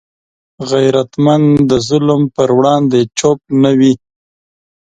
غیرتمند د ظلم پر وړاندې چوپ نه وي